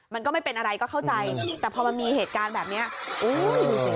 มันก็ไม่เป็นอะไรก็เข้าใจแต่พอมันมีเหตุการณ์แบบนี้อุ้ยดูสิ